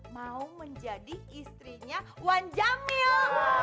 mau menjadi istrinya wan jamil